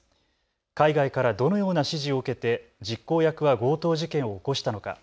海外からどのような指示を受けて実行役は強盗事件を起こしたのか。